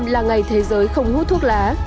là ngày thế giới không hút thuốc lá